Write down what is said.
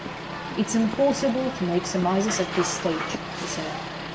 "It's impossible to make surmises at this stage," he said.